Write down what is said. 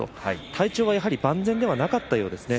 体調はやはり万全ではなかったようですね。